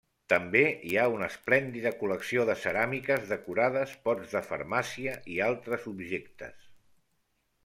També hi ha una esplèndida col·lecció de ceràmiques decorades, pots de farmàcia i altres objectes.